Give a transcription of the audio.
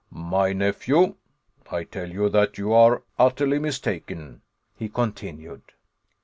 "My nephew, I tell you that you are utterly mistaken," he continued.